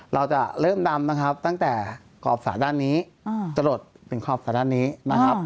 เราจะเริ่มดำนะครับตั้งแต่ขอบสระด้านนี้จะหลดถึงขอบสระด้านนี้นะครับ